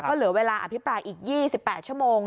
ก็เหลือเวลาอภิปรายอีก๒๘ชั่วโมง